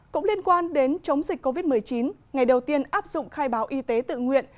cũng liên quan đến chống dịch covid một mươi chín ngày đầu tiên áp dụng khai báo y tế tự nguyện